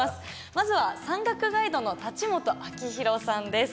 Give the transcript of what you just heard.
まずは山岳ガイドの立本明広さんです。